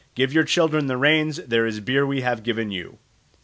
Give your children the rains, there is the beer we have given you."